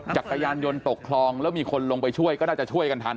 จักรยานยนต์ตกคลองแล้วมีคนลงไปช่วยก็น่าจะช่วยกันทัน